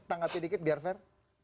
tanggapnya dikit biar fair